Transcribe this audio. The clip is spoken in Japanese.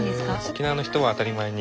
沖縄の人は当たり前に？